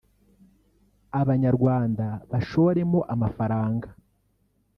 Abanyarwanda bashoremo amafaranga